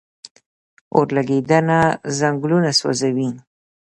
اورلګیدنه ځنګلونه سوځوي